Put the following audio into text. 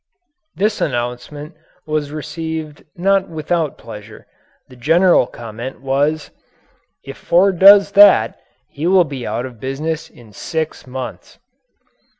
This announcement was received not without pleasure. The general comment was: "If Ford does that he will be out of business in six months."